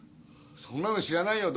そんなの知らないよ。